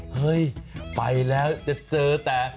เฮ้ยไปแล้วจะเจอแต่